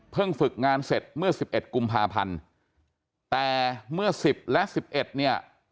เพิ่งฝึกงานเสร็จเมื่อ๑๑กุมภาพันธ์แต่เมื่อ๑๐และ๑๑เนี่ย